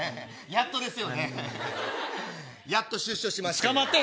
やっと出所しまして。